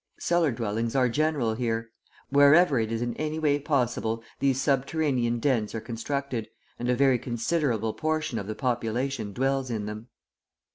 Cellar dwellings are general here; wherever it is in any way possible, these subterranean dens are constructed, and a very considerable portion of the population dwells in them.